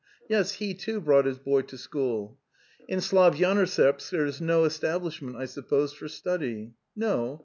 Yes, he, too, brought his boy to school. ... In Slavyanoserbsk there is no establishment, I sup pose, for study. (No.